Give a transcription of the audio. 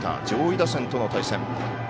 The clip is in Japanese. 上位打線との対戦。